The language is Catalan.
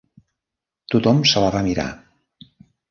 Tothom se la va mirar.